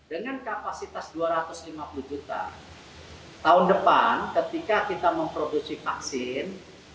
dengan kapasitas dua ratus lima puluh juta tahun depan ketika kita memproduksi vaksin